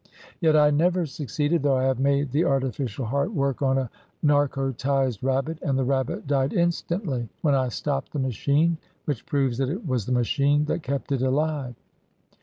Yet I never succeeded, though I have made the artificial heart work on a narcotised rabbit, and the rabbit died instantly when I stopped the machine, which proves that it was the machine that kept it alive.